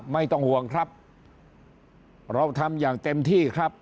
ไม่ต้องห่วงครับเราทำอย่างเต็มที่ครับ